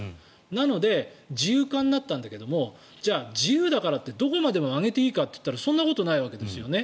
なので、自由化になったんだけどじゃあ自由だからってどこまでも上げていいかといったらそんなことないわけですよね。